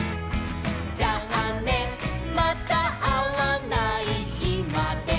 「じゃあねまたあわないひまで」